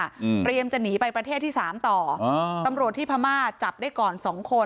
เตรียมจะหนีไปประเทศที่สามต่ออ่าตำรวจที่พม่าจับได้ก่อนสองคน